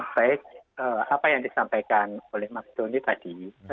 baik apa yang disampaikan oleh mas doni tadi